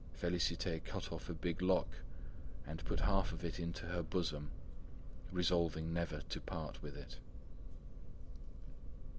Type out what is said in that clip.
Félicité cut off a big lock and put half of it into her bosom, resolving never to part with it.